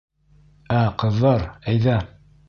Ә ҡыҙҙар, әйҙә...